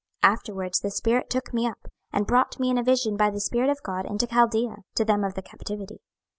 26:011:024 Afterwards the spirit took me up, and brought me in a vision by the Spirit of God into Chaldea, to them of the captivity.